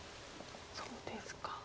そうですか。